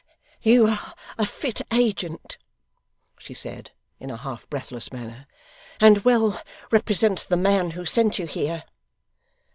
'You are a fit agent,' she said, in a half breathless manner, 'and well represent the man who sent you here.